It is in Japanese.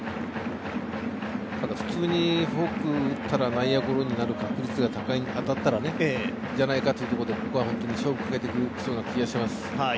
ただ、普通にフォークを打ったら内野ゴロになる確率が高いんじゃないかということでここは本当に勝負をかけてきそうな気がします。